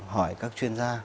hỏi các chuyên gia